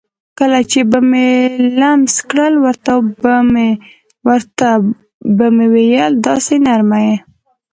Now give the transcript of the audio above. کله چې به مې لمس کړل ورته به مې وویل: داسې نرمه یې.